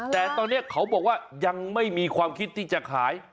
แต่ตอนนี้เขาบอกว่ายังไม่มีความคิดที่จะขาย